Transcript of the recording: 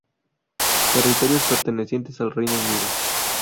Territorios pertenecientes al Reino Unido.